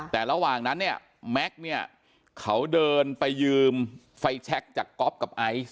แต่ระหว่างนั้นเนี่ยแม็กซ์เนี่ยเขาเดินไปยืมไฟแชคจากก๊อฟกับไอซ์